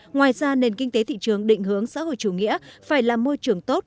ngoài ra nền kinh tế thị trường định hướng xã hội chủ nghĩa phải là môi trường tốt